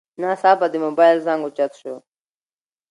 ناڅاپه د موبایل زنګ اوچت شو.